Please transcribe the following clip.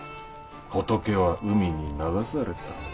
ホトケは海に流された。